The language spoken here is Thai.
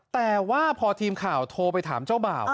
แต่ว่าพอทีมข่าวโทรไปถามเจ้าบ่าว